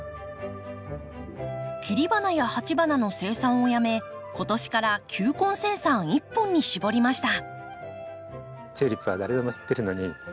切り花や鉢花の生産をやめ今年から球根生産一本に絞りました。